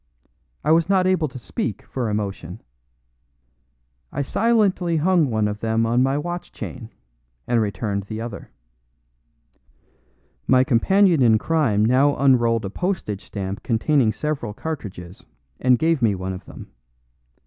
I was not able to speak for emotion. I silently hung one of them on my watch chain, and returned the other. My companion in crime now unrolled a postage stamp containing several cartridges, and gave me one of them.